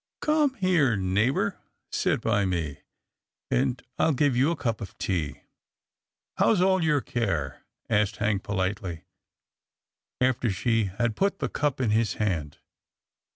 " Come here neighbour, sit by me, and I will give you a cup of tea." " How's all your care ?" asked Hank politely, after she had put the cup in his hand.